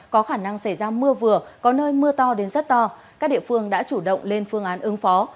có khả năng xảy ra mưa vừa có nơi mưa to đến rất to các địa phương đã chủ động lên phương án ứng phó